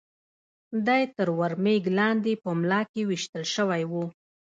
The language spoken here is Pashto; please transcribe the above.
دی تر ور مېږ لاندې په ملا کې وېشتل شوی و.